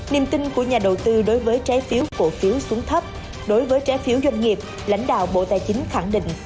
niềm tin của nhà đầu tư đối với trái phiếu cổ phiếu xuống thấp đối với trái phiếu doanh nghiệp lãnh đạo bộ tài chính khẳng định